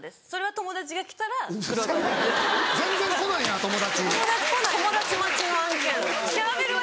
友達全然来ないな友達。